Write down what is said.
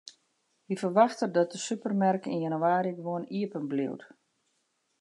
Hy ferwachtet dat de supermerk yn jannewaarje gewoan iepenbliuwt.